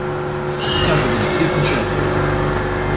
Tiens je vais lui défoncer la tête.